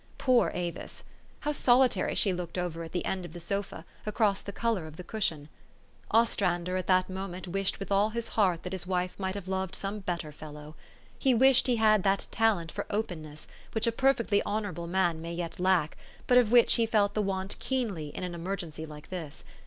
Poor Avis ! How solitary she looked over at the end of the sofa, across the color of the cushion. Ostrander at that moment wished with all his heart that his wife might have loved some better fellow. He wished he had that talent for openness, which a perfectly honor able man may yet lack, but of which he felt the want keenly in an emergency like this.